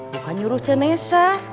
bukan nyuruh cenesha